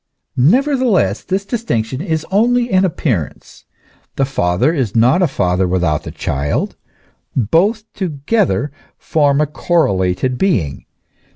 Nevertheless this distinction is only an appearance. The father is not a father without the child ; both together form a cor related being.